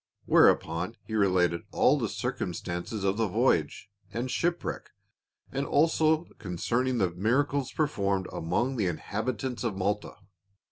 Where upon he related all the circumstances of the v^oyage and shipwreck, and also concerning the miracles per formed among the inhabitants of Malta.